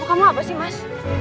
kamu apa sih mas